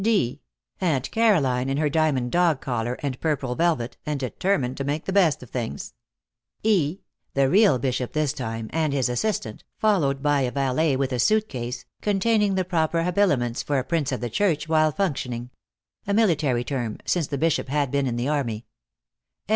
(d) Aunt Caroline, in her diamond dog collar and purple velvet, and determined to make the best of things. (e) The real bishop this time, and his assistant, followed by a valet with a suitcase, containing the proper habiliments for a prince of the church while functioning. (A military term, since the Bishop had been in the army.)